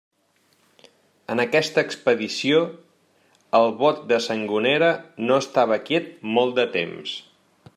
En aquesta expedició, el bot de Sangonera no estava quiet molt de temps.